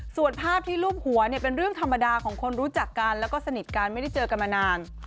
ส่วนภาพที่รูปหัวเนี่ยเป็นเรื่องธรรมดาของคนรู้จักกันแล้วก็สนิทกันไม่ได้เจอกันมานาน